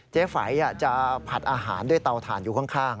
ฝัยจะผัดอาหารด้วยเตาถ่านอยู่ข้าง